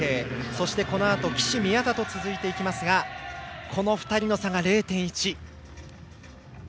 そしてこのあと岸、宮田と続いていきますがこの２人の差が０．１。